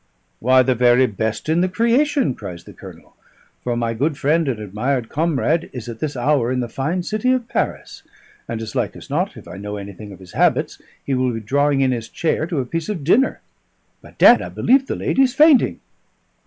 "Why, the very best in the creation!" cries the Colonel. "For my good friend and admired comrade is at this hour in the fine city of Paris, and as like as not, if I know anything of his habits, he will be drawing in his chair to a piece of dinner. Bedad, I believe the lady's fainting."